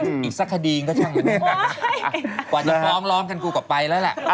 อีกสักคดีก็ช่างอย่างนี้กว่าจะฟ้องร้องกันกูก็ไปแล้วแหละ